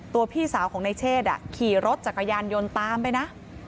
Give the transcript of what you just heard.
ตัวพี่สาวของในเชษฐ์อะขี่รถจากกระยันยนต์ตามไปนะ